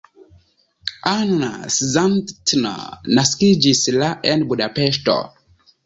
Anna Szandtner naskiĝis la en Budapeŝto.